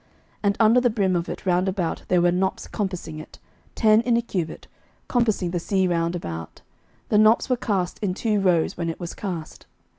11:007:024 And under the brim of it round about there were knops compassing it, ten in a cubit, compassing the sea round about: the knops were cast in two rows, when it was cast.